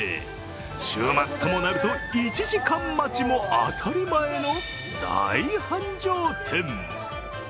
週末ともなると、１時間待ちも当たり前の大繁盛店。